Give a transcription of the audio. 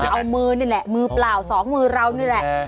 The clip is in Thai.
เอามือนี่แหละมือเปล่าสองมือเรานี่แหละ